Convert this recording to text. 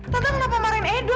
tante kenapa marahin edo